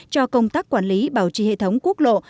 cho công tác quản lý bảo trì hệ thống quốc lộ